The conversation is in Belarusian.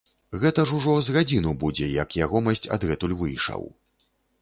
Гэта ж ужо з гадзіну будзе, як ягомасць адгэтуль выйшаў.